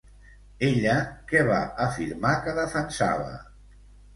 Ella què va afirmar que defensava?